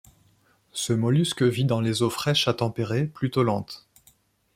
Ce mollusque vit dans les eaux fraiches à tempérées, plutôt lentes.